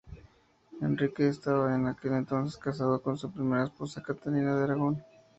Enrique estaba en aquel entonces casado con su primera esposa, Catalina de Aragón.